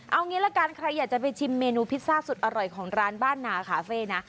เอางี้ละกันใครอยากจะไปชิมเมนูพิซซ่าสุดอร่อยของร้านบ้านนาคาเฟ่นะ